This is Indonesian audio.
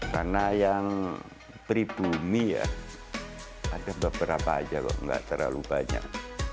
karena yang pribumi ya ada beberapa aja kok nggak terlalu banyak